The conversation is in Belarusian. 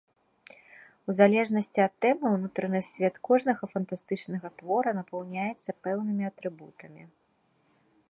У залежнасці ад тэмы ўнутраны свет кожнага фантастычнага твора напаўняецца пэўнымі атрыбутамі.